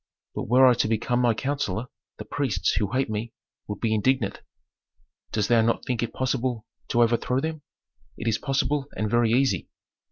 But were I to become thy counsellor, the priests, who hate me, would be indignant." "Dost thou not think it possible to overthrow them?" "It is possible and very easy."